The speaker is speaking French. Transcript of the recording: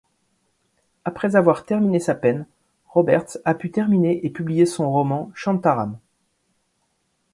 Après avoir terminé sa peine, Roberts a pu terminer et publier son roman, Shantaram.